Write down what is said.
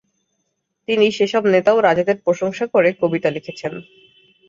তিনি সেসব নেতা ও রাজাদের প্রশংসা করে কবিতা লিখেছেন।